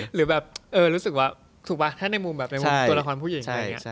หรือแบบถ้าในมุมตัวละครผู้หญิง